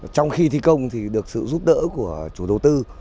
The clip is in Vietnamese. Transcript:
trong khi thi công thì được sự giúp đỡ của chủ đầu tư